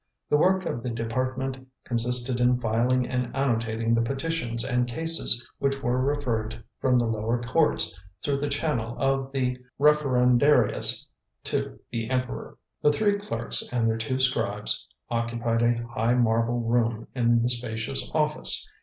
The work of the Department consisted in filing and annotating the petitions and cases which were referred from the lower Courts, through the channel of the Referendarius, to the Emperor. The three clerks and their two scribes occupied a high marble room in the spacious office.